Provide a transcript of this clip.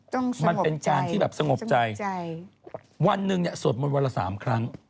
มันเป็นการที่แบบสงบใจวันหนึ่งเนี่ยสวดมนต์วันละสามครั้ง